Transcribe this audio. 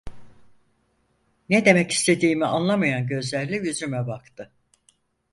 Ne demek istediğimi anlamayan gözlerle yüzüme baktı.